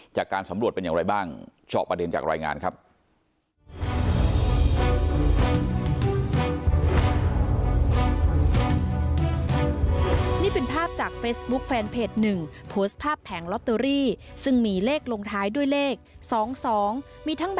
จากการสำรวจเป็นอย่างไรบ้าง